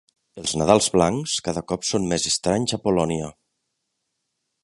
Els Nadals blancs cada cop són més estranys a Polònia.